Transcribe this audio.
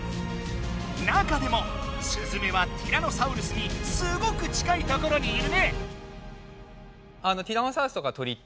中でもスズメはティラノサウルスにすごく近いところにいるね。